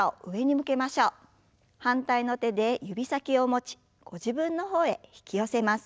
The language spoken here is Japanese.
反対の手で指先を持ちご自分の方へ引き寄せます。